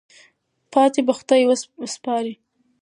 پاتې په خدای سپارئ.